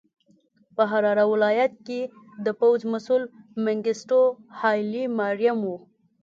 په حراره ولایت کې د پوځ مسوول منګیسټیو هایلي ماریم و.